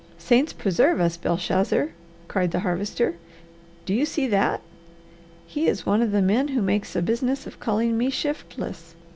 "Saints preserve us, Belshazzar!" cried the Harvester. "Do you see that? He is one of the men who makes a business of calling me shiftless.